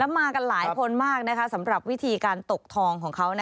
มากันหลายคนมากสำหรับวิธีการตกทองของเขา